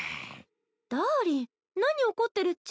ダーリン何怒ってるっちゃ？